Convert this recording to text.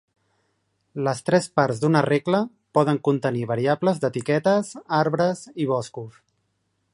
Les tres parts d'una regla poden contenir variables d'etiquetes, arbres i boscos.